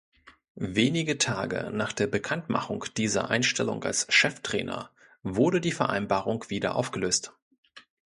Wenige Tage nach der Bekanntmachung dieser Einstellung als Cheftrainer, wurde die Vereinbarung wieder aufgelöst.